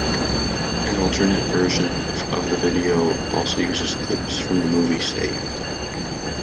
An alternate version of the video also uses clips from the movie "Saved!".